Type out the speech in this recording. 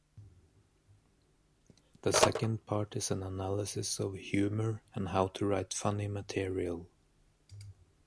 The second part is an analysis of humour and how to write funny material.